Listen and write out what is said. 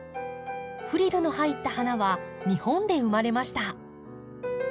フリルの入った花は日本で生まれました。